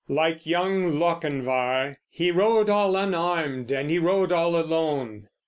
Like young Lochinvar, "he rode all unarmed and he rode all alone."